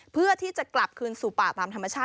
เพื่อที่จะกลับคืนสู่ป่าตามธรรมชาติ